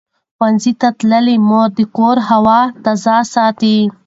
ښوونځې تللې مور د کور هوا تازه ساتي.